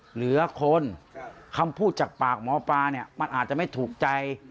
เหลือคนคำพูดจากปากหมอปลาเนี่ยมันอาจจะไม่ถูกใจ